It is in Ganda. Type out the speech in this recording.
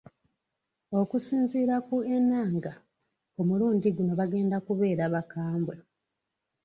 Okusinziira ku Enanga ku mulundi guno bagenda kubeera bakambwe.